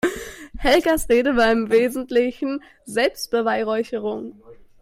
Helgas Rede war im Wesentlichen Selbstbeweihräucherung.